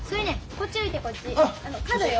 こっち置いてこっち。角よ。